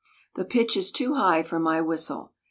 The pitch is too high for my whistle.